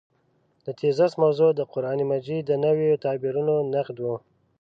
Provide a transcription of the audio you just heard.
د تېزس موضوع د قران مجید د نویو تعبیرونو نقد و.